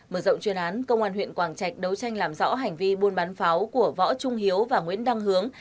mở rộng chuyên án công an huyện quảng trạch đấu tranh làm rõ hành vi buôn bán pháo của võ trung hiếu và nguyễn đăng hướng